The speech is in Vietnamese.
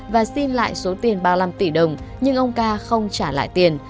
và xin lại số tiền ba mươi năm tỷ đồng nhưng ông ca không trả lại tiền